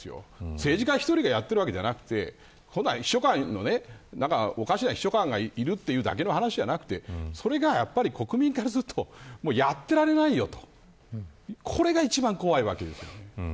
政治家一人がやってるわけじゃなくておかしな秘書官がいるという話じゃなくて国民がずっとやっていられないよとこれが一番怖いわけです。